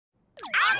あっ！